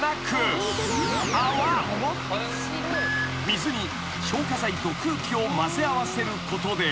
［水に消火剤と空気を混ぜ合わせることで］